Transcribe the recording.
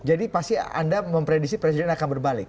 jadi pasti anda mempredisi presiden akan berbalik